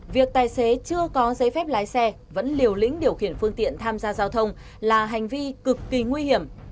việc tài xế chưa có giấy phép lái xe vẫn liều lĩnh điều khiển phương tiện tham gia giao thông là hành vi cực kỳ nguy hiểm